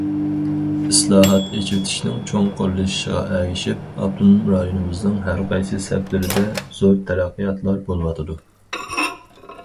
ئىسلاھات، ئېچىۋېتىشنىڭ چوڭقۇرلىشىشىغا ئەگىشىپ، ئاپتونوم رايونىمىزنىڭ ھەرقايسى سەپلىرىدە زور تەرەققىياتلار بولۇۋاتىدۇ.